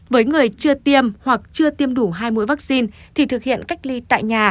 với người chưa tiêm hoặc chưa tiêm đủ hai mũi vaccine thì thực hiện cách ly tại nhà